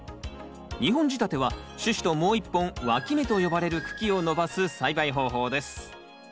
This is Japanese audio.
２本仕立ては主枝ともう一本わき芽と呼ばれる茎を伸ばす栽培方法です。